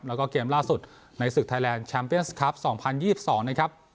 แล้วก็เกมล่าสุดในศึกไทยแลนด์แชมป์เบียนส์คลับสองพันยี่สิบสองนะครับ